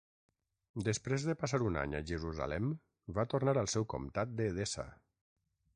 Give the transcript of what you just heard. Després de passar un any a Jerusalem va tornar al seu comtat d'Edessa.